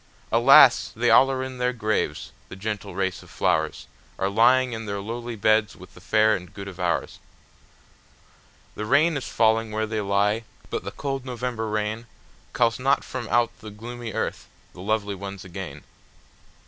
Alas! they all are in their graves, the gentle race of flowersAre lying in their lowly beds with the fair and good of ours. The rain is falling where they lie, but the cold November rainCalls not from out the gloomy earth the lovely ones again.